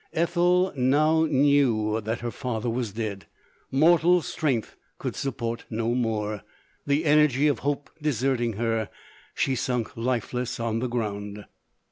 Ethel now knew that her father was dead. Mortal strength could support no more— the energy of hope deserting her, she sunk lifeless on the ground.